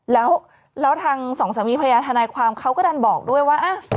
แล้วทางสองสามีภรรยาทนายความเขาก็ดันบอกด้วยว่า